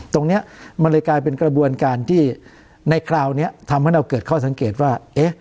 ตรงนี้มันเลยกลายเป็นกระบวนการที่ในคราวนี้ทำให้เราเกิดข้อสังเกตว่า